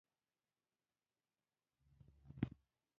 نن مازدیګر لوبه هم لرو.